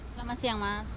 selamat siang mas